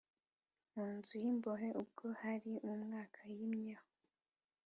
mu nzu y imbohe Ubwo hari mu mwaka yimyemo